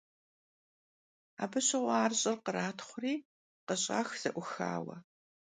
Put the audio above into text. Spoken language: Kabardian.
Abı şığue ar ş'ır khratxhuri khış'ax ze'uxaue.